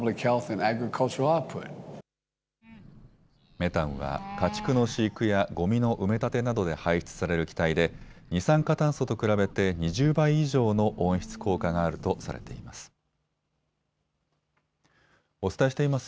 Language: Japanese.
メタンは家畜の飼育やごみの埋め立てなどで排出される気体で二酸化炭素と比べて２０倍以上の温室効果があるとされています。